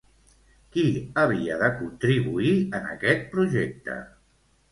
Qui havia de contribuir en aquest projecte?